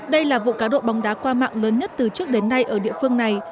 đây là vụ cá độ bóng đá qua mạng lớn nhất từ trước đến nay ở địa phương này